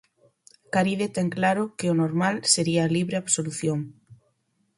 Caride ten claro que "o normal sería a libre absolución".